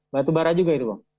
batu bara juga itu bang